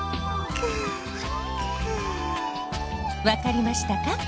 わかりましたか？